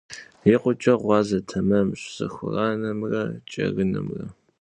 ИкъукӀэ гъуазэ тэмэмщ сэхуранымрэ кӀэрынымрэ.